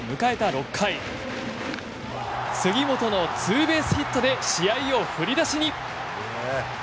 ６回杉本のツーベースヒットで試合は振り出しに。